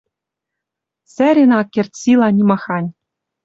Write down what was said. Цӓрен ак керд сила нимахань...»